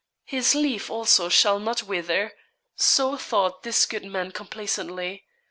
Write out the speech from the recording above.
His leaf also shall not wither. So thought this good man complacently.